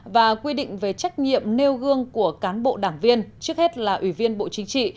và quy định về trách nhiệm nêu gương của cán bộ đảng viên trước hết là ủy viên bộ chính trị